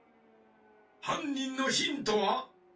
はんにんのヒントは？